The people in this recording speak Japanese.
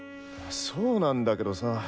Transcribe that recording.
そうなんだけどさぁ。